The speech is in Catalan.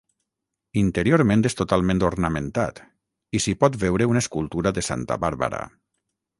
Interiorment és totalment ornamentat i s'hi pot veure una escultura de Santa Bàrbara.